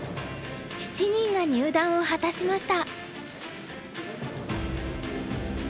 ７人が入段を果たしました。